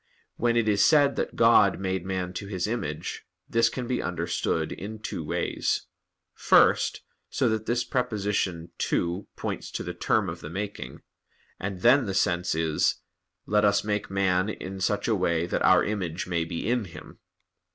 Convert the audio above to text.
When it is said that God "made man to His image," this can be understood in two ways: first, so that this preposition "to" points to the term of the making, and then the sense is, "Let Us make man in such a way that Our image may be in him."